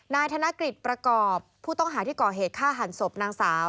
นายธนรกริจประกอบผู้ต้องหาที่เกาะเหตุฆ่าหันสพนางสาว